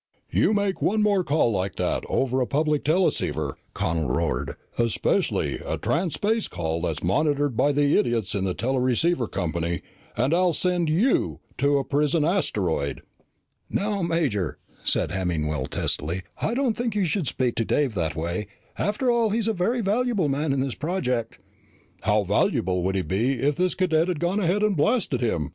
"You make one more call like that over a public teleceiver," Connel roared, "especially a transspace call that's monitored by the idiots in the teleceiver company, and I'll send you to a prison asteroid!" "Now, Major," said Hemmingwell testily, "I don't think you should speak to Dave that way. After all, he's a very valuable man in this project." "How valuable would he be if this cadet had gone ahead and blasted him?"